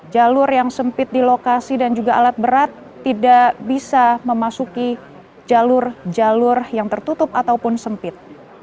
jalur yang sempit di lokasi dan juga alat berat tidak bisa memasuki jalur jalur yang tertutup ataupun sempit